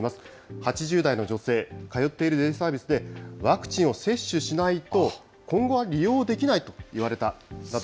８０代の女性、通っているデイサービスでワクチンを接種しないと、今後は利用できないと言われたなど。